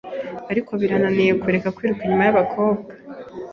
ariko birananira kureka kwiruka inyuma y’abakobwa